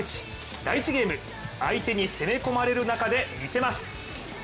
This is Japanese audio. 第１ゲーム、相手に攻め込まれる中で見せます。